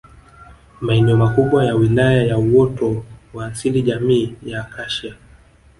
Maeneo makubwa ya Wilaya ya uoto wa asili jamii ya Akashia